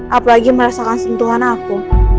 apalagi merasakan sentuhan aku